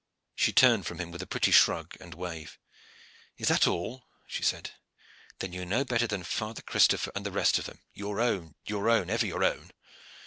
She turned from him with a pretty shrug and wave. "Is that all?" she said. "Then you are no better than Father Christopher and the rest of them. Your own, your own, ever your own!